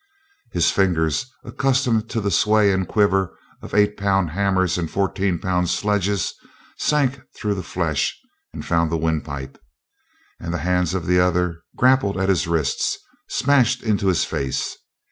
His fingers, accustomed to the sway and quiver of eight pound hammers and fourteen pound sledges, sank through the flesh and found the windpipe. And the hands of the other grappled at his wrists, smashed into his face.